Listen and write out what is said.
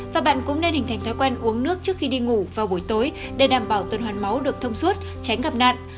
và bạn cũng nên hình thành thói quen uống nước trước khi đi ngủ vào buổi tối để đảm bảo tuần hoàn máu được thông suốt tránh gặp nạn